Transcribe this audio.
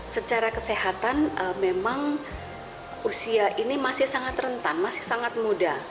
secara kesehatan memang usia ini masih sangat rentan masih sangat muda